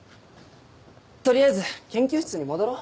取りあえず研究室に戻ろう。